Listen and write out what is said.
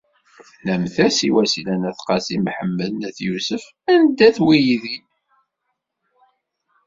Tennamt-as i Wasila n Qasi Mḥemmed n At Yusef anda-t weydi.